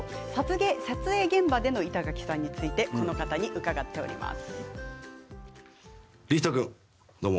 撮影現場での板垣さんについてこの方に伺ってきました。